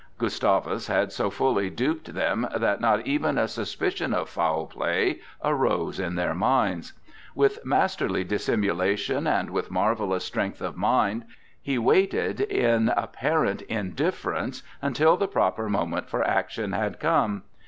Gustavus had so fully duped them that not even a suspicion of foul play arose in their minds. With masterly dissimulation and with marvellous strength of mind he waited in apparent indifference until the proper moment for action had come.